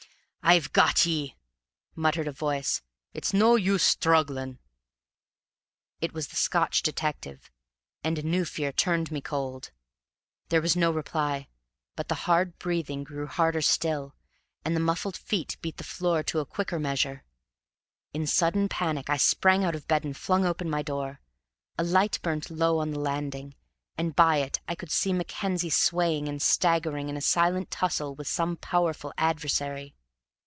"I've got ye," muttered a voice. "It's no use struggling." It was the Scotch detective, and a new fear turned me cold. There was no reply, but the hard breathing grew harder still, and the muffled feet beat the floor to a quicker measure. In sudden panic I sprang out of bed and flung open my door. A light burnt low on the landing, and by it I could see Mackenzie swaying and staggering in a silent tussle with some powerful adversary.